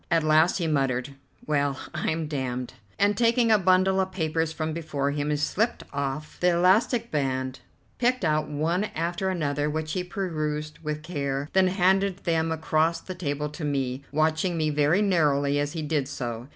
At last he muttered, "Well, I'm damned!" and, taking a bundle of papers from before him, he slipped off the elastic band, picked out one after another which he perused with care, then handed them across the table to me, watching me very narrowly as he did so.